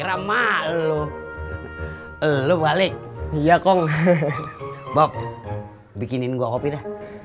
dazu socioektif ya pene